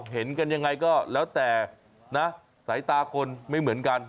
เห็นกันยังไงก็แล้วแต่นะสายตาคนไม่เหมือนกัน